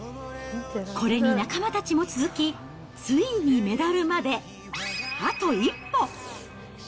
これに仲間たちも続き、ついにメダルまであと一歩。